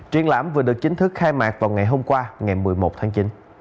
triển lãm vừa được chính thức khai mạc vào ngày hôm qua ngày một mươi một tháng chín